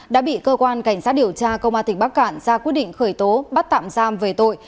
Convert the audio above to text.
đã bị cơ quan cảnh sát điều tra công an tỉnh bắc cạn ra quyết định khởi tố bắt tạm giam về tội